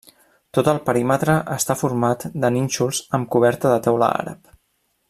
Tot el perímetre està format de nínxols amb coberta de teula àrab.